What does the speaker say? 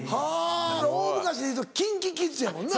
大昔でいうとＫｉｎＫｉＫｉｄｓやもんな。